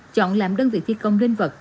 chọn làm đơn vị thi công linh vật